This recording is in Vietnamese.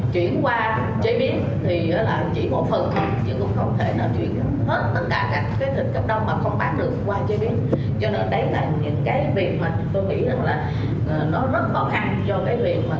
chuyển qua chế biến thì chỉ một phần thôi chứ cũng không thể là chuyển hết tất cả các thịt cấp đông mà không bán được qua chế biến